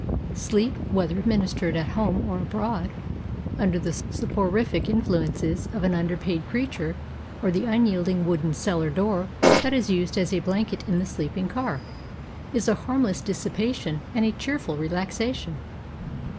Sleep, whether administered at home or abroad, under the soporific influences of an under paid preacher or the unyielding wooden cellar door that is used as a blanket in the sleeping car, is a harmless dissipation and a cheerful relaxation.